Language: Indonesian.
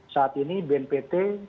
saat ini bnpt